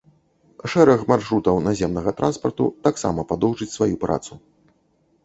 Шэраг маршрутаў наземнага транспарту таксама падоўжыць сваю працу.